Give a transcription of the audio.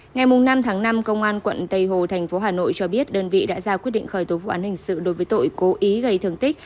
ngày năm tháng năm công an quận tây hồ thành phố hà nội cho biết đơn vị đã ra quyết định khởi tố vụ án hình sự đối với tội cố ý gây thương tích